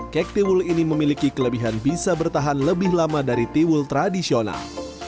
kek tiwul ini memiliki kelebihan bisa bertahan lebih lama dari tiwul tradisional